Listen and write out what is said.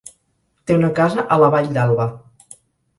Té una casa a la Vall d'Alba.